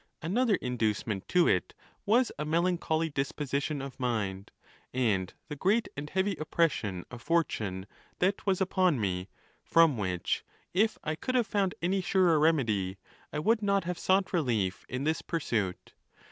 Another inducement to it was a melancholy disposition of mind, and the great and heavy oppression of fortune that was upon me ; from which, if I could have found any surer remedy, I would not have sought relief in this pur suit.